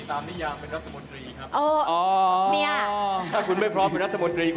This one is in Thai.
ตามสิ่งที่ยาวเป็นรัฐมนตรี